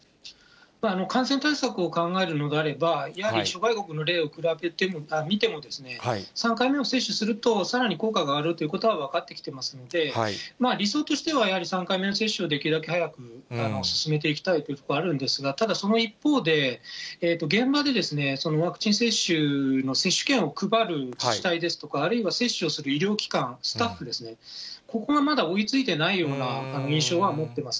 感染対策を考えるのであれば、やはり諸外国の例を見ても、３回目を接種すると、さらに効果があるということは分かってきてますので、理想としてはやはり３回目の接種をできるだけ早く進めていきたいというところはあるんですが、ただその一方で、現場でですね、ワクチン接種の接種券を配る自治体ですとか、あるいは接種をする医療機関、スタッフですね、ここがまだ追いついてないような印象は持ってます。